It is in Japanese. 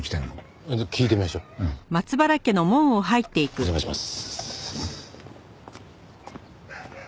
お邪魔します。